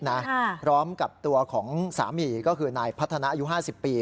พร้อมกับตัวของสามีก็คือนายพัฒนาอายุ๕๐ปี